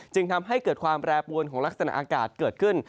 จึงทำให้เกิดความแปรปวนของลักษณะอากาศเกิดขึ้น